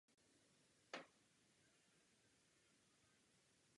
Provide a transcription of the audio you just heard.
V Česku je hojně pěstován jako okrasná dřevina.